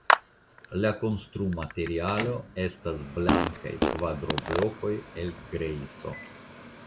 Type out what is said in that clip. La konstrumaterialo estis blankaj kvadroblokoj el grejso.